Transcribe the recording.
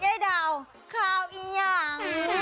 ยายดาวข่าวอีกอย่าง